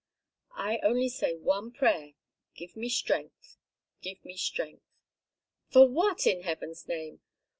"I only say one prayer: 'Give me strength. Give me strength.'" "For what, in heaven's name?